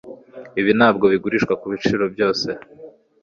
ibi ntabwo bigurishwa kubiciro byose